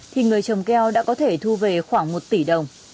thì người trồng keo đã có thể thu về khoảng một tỷ đồng